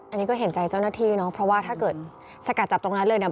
อันนี้ก็เห็นใจเจ้าหน้าที่เนาะเพราะว่าถ้าเกิดสกัดจับตรงนั้นเลยเนี่ย